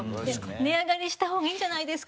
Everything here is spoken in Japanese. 値上がりした方がいいんじゃないですか？